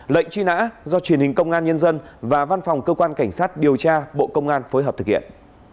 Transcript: lệnh truy nã do truyền hình công an nhân dân và văn phòng cơ quan cảnh sát điều tra bộ công an phối hợp thực hiện